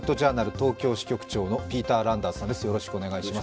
東京支局長のピーター・ランダースさんです。